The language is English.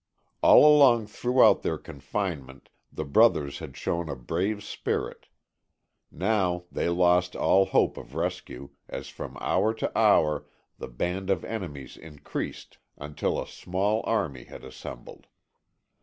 All along throughout their confinement the brothers had shown a brave spirit. Now they lost all hope of rescue as from hour to hour the band of enemies increased until a small army had assembled.